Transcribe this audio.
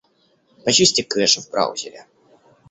Почисти кеш в браузере.